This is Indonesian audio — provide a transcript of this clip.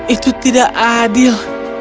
itu tidak adil